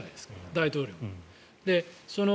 大統領の。